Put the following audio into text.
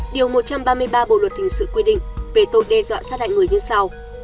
điều một trăm ba mươi ba bộ luật hình sự quy định về tội đe dọa sát hại người như sau